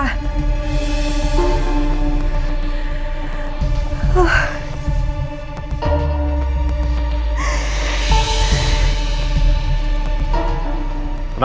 mbak arie ini sama dobronya